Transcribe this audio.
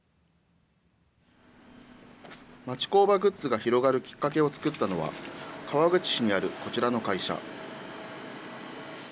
町工場グッズが広がるきっかけを作ったのは、川口市にあるこちらの会社。